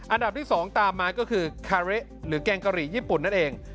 อันดับที่๒ตามมาก็คือคาเละหรือแกงกะหรี่ญี่ปุ่นนั่นเอง